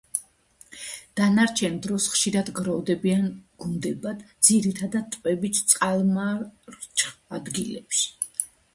დანარჩენ დროს ხშირად გროვდებიან გუნდებად, ძირითადად ტბების წყალმარჩხ ადგილებში.